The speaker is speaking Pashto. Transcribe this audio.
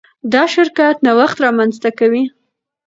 دا شرکت نوښت رامنځته کوي.